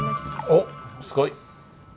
おっすごい。